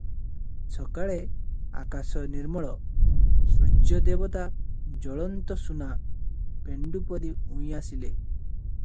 ସକାଳେ ଅକାଶ ନିର୍ମଳ, ସୁର୍ଯ୍ୟଦେବତା ଜ୍ୱଳନ୍ତସୁନା ପେଣ୍ଡୁ ପରି ଉଇଁ ଆସିଲେ ।